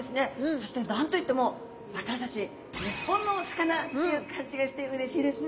そして何と言っても私たち日本のお魚っていう感じがしてうれしいですね。